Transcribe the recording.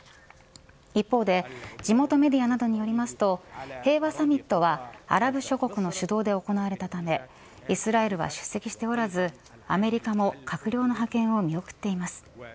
一方で地元メディアなどによりますと平和サミットはアラブ諸国の主導で行われたためイスラエルは出席しておらずアメリカも閣僚の派遣を見送っています。